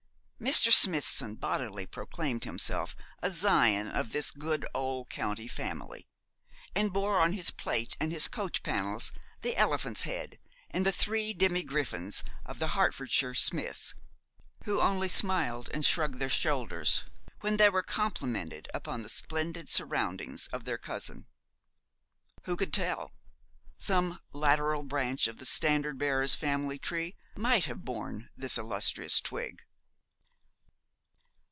Mr. Smithson bodily proclaimed himself a scion of this good old county family, and bore on his plate and his coach panels the elephant's head and the three demi griffins of the Hertfordshire Smiths, who only smiled and shrugged their shoulders when they were complimented upon the splendid surroundings of their cousin. Who could tell? Some lateral branch of the standard bearer's family tree might have borne this illustrious twig.